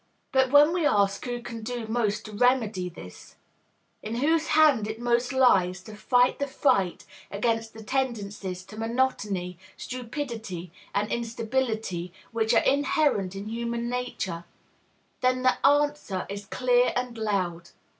But when we ask who can do most to remedy this, in whose hands it most lies to fight the fight against the tendencies to monotony, stupidity, and instability which are inherent in human nature, then the answer is clear and loud.